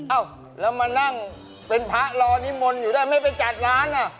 เอ้าแล้วมานั่งเป็นพระรอนิมนต์อยู่ได้ไม่ไปจัดงานอ่ะ